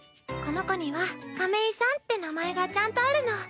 この子には亀井さんって名前がちゃんとあるの。